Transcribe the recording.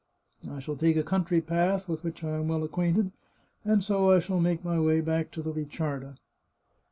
I shall take a country path with which I am well acquainted, and so I shall make my way back to the Ricciarda."